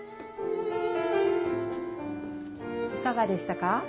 いかがでしたか？